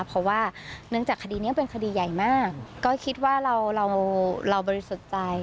เพราะว่าเนื่องจากคดีนี้เป็นคดีใหญ่มากก็คิดว่าเราเราบริสุทธิ์ใจ